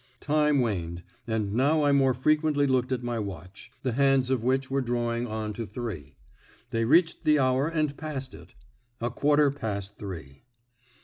Time waned, and now I more frequently looked at my watch, the hands of which were drawing on to three. They reached the hour and passed it. A quarter past three.